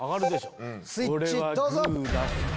スイッチどうぞ。